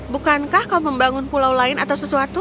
bukankah kau membangun pulau lain atau sesuatu